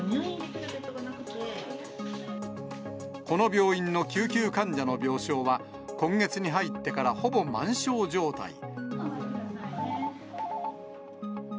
この病院の救急患者の病床は今月に入ってからほぼ満床状態。